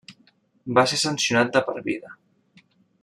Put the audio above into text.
Va ser sancionat de per vida.